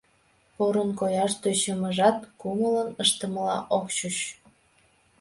Порын кояш тӧчымыжат кумылын ыштымыла ок чуч.